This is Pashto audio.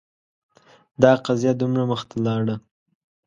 دا قضیه دومره مخته لاړه